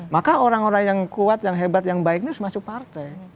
maka orang orang yang kuat yang hebat yang baik ini harus masuk partai